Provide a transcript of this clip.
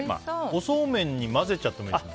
おそうめんに混ぜちゃってもいいですか？